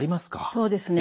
そうですね。